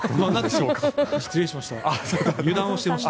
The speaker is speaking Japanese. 失礼しました。